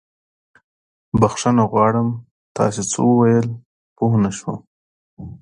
بښنه غواړم، تاسې څه وويل؟ پوه نه شوم.